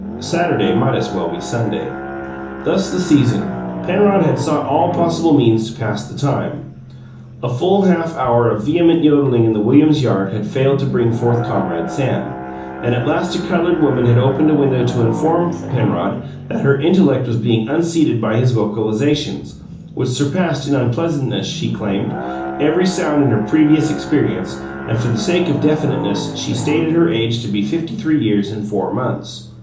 Saturday might as well be Sunday. Thus the season. Penrod had sought all possible means to pass the time. A full half hour of vehement yodelling in the Williams' yard had failed to bring forth comrade Sam; and at last a coloured woman had opened a window to inform Penrod that her intellect was being unseated by his vocalizations, which surpassed in unpleasantness, she claimed, every sound in her previous experience and, for the sake of definiteness, she stated her age to be fifty three years and four months.